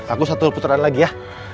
aku satu putaran lagi ya